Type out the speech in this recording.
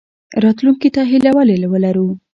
راتلونکي ته هیله ولې ولرو؟